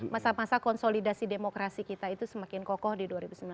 masa masa konsolidasi demokrasi kita itu semakin kokoh di dua ribu sembilan belas